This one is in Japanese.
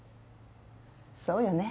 そうよね。